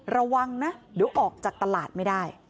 ระวังนะเดี๋ยวออกจากตลาดไม่ได้